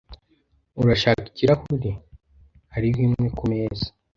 Urashaka ikirahure? Hariho imwe kumeza.